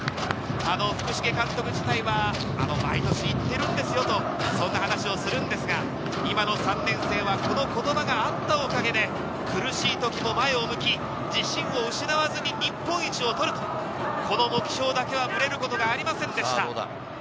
福重監督自体は、毎年言ってるんですよという話をするんですが、今の３年生はこの言葉があったおかげで、苦しい時も前を向き、自信を失わずに、日本一を取ると、この目標だけはブレることがありませんでした。